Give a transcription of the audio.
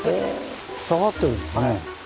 下がってるんですね。